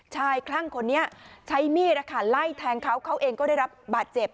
คลั่งคนนี้ใช้มีดไล่แทงเขาเขาเองก็ได้รับบาดเจ็บ